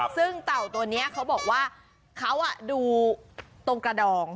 ซึ่งเต่าตัวนี้เขาบอกว่าเขาดูตรงกระดอง